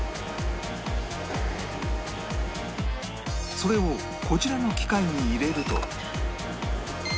それをこちらの機械に入れると